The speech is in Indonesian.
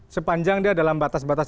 sepanjang dia dalam batas batas